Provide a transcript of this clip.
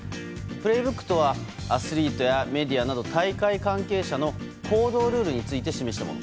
「プレイブック」とはアスリートやメディアなど大会関係者の行動ルールについて示したもの。